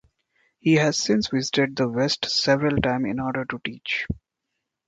He has since visited the West several times in order to teach.